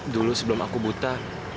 dulu sebelum aku buta